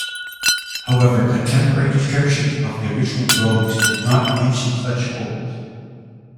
However, contemporary descriptions of the original brogues do not mention such holes.